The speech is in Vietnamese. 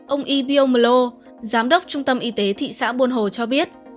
ông e biomolo giám đốc trung tâm y tế thị xã buôn hồ cho biết